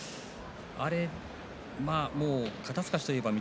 肩すかしといえば翠